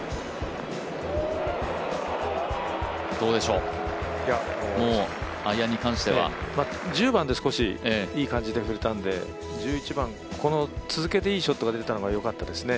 どうでしょう、もうアイアンに関しては。１０番で少しいい感じで振れたんで１１番、この続けていいショットが出たのが良かったですね。